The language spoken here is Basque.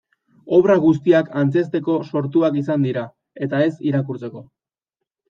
Obra guztiak antzezteko sortuak izan dira, eta ez irakurtzeko.